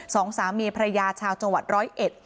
สองสามีภรรยาชาวจังหวัดร้อยเอ็ด